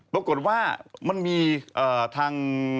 ปรากฏว่ามันมีทาง